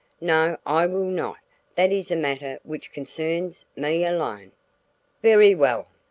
"No, I will not. That is a matter which concerns, me alone." "Very well!